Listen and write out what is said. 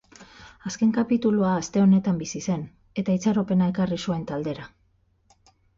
Azken kapitulua aste honetan bizi zen, eta itxaropena ekarri zuen taldera.